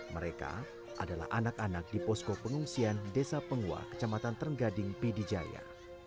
mereka adalah anak anak di posko pengungsian desa pengua kecamatan trenggading pidijaya